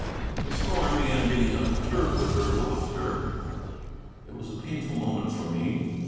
Miss Thorn began digging up the turf with her lofter: it was a painful moment for me.